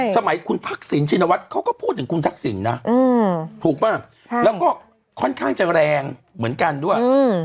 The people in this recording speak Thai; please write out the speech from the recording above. สมัยคุณทักษิณชินวัฒน์เขาก็พูดถึงคุณทักษิณนะถูกป่ะแล้วก็ค่อนข้างจะแรงเหมือนกันด้วย